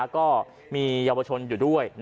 ก็มีเยาวชนอยู่ด้วย